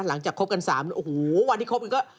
หลังจากคบกันสามโอ้โหวันนี้คบอีกก็